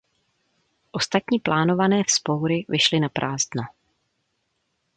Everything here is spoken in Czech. Ostatní plánované vzpoury vyšly naprázdno.